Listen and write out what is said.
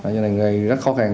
cho nên là rất khó khăn